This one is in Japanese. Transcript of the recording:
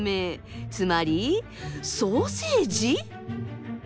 つまりソーセージ？